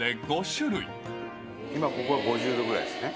今ここは５０度ぐらいですね。